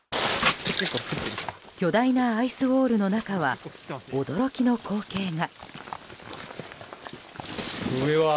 巨大なアイスウォールの中は驚きの光景が。